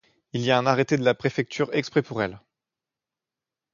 Il y a un arrêté de la préfecture exprès pour elles.